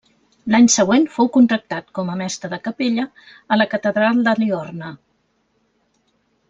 L'any següent fou contractat com a mestre de capella a la catedral de Liorna.